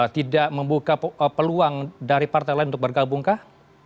tidak membuka peluang dari partai lain untuk bergabungkah